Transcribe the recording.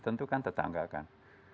tentu kan tetangga kan